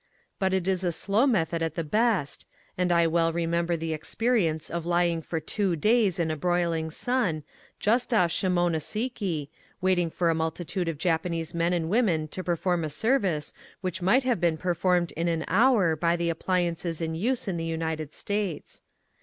But it is a slow method at the best, and I well remember the experience of lying for two days in a broiling sun, just off Shimone siki, waiting for a multitude of Japanese men and women to perform a service which might have been performed in an hour by the appliances in use in the United States.